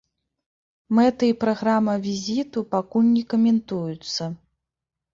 Мэты і праграма візіту пакуль не каментуюцца.